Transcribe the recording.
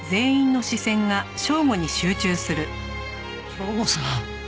省吾さん。